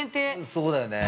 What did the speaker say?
◆そうだよね。